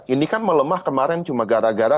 ini kan melemah kemarin cuma gara gara